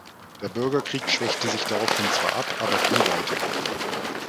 Der Bürgerkrieg schwächte sich daraufhin zwar ab, aber ging weiter.